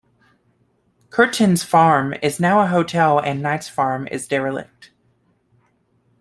Kirtons Farm is now a hotel and Knights Farm is derelict.